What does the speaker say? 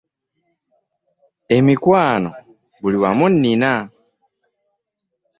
Emikwano buli wamu nnina.